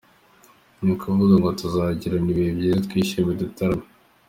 Ni ukuvuga ngo tuzagirana ibihe byiza, twishime, dutarame.